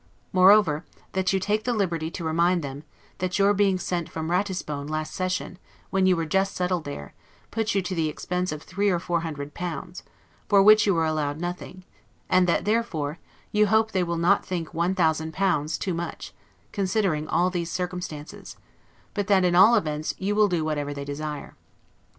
Moreover, that you take the liberty to remind them, that your being sent from Ratisbon, last session, when you were just settled there, put you to the expense of three or four hundred pounds, for which you were allowed nothing; and that, therefore, you hope they will not think one thousand pounds too much, considering all these circumstances: but that, in all events, you will do whatever they desire.